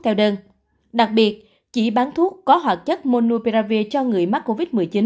theo đơn đặc biệt chỉ bán thuốc có hoạt chất monopiravir cho người mắc covid một mươi chín